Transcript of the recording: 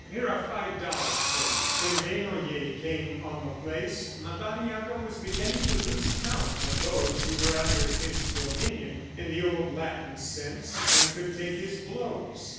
Here are five dollars for you." When Desnoyers came on the place, Madariaga was beginning to lose count of those who were under his dominion in the old Latin sense, and could take his blows.